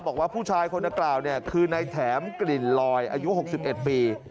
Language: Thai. บอกว่าผู้ชายคนกล่าวเนี่ยคือในแถมกลิ่นลอยอายุหกสิบเอ็ดปี